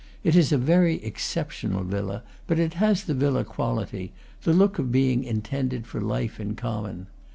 It is a very exceptional villa, but it has the villa quality, the look of being intended for life in com mon.